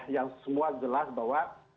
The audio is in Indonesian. yang semua jelas bahwa